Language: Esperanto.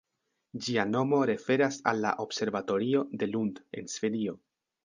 Ĝia nomo referas al la Observatorio de Lund en Svedio.